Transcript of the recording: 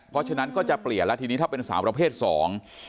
เพราะฉะนั้นก็จะเปลี่ยนแล้วทีนี้ถ้าเป็นสาวประเภทสอง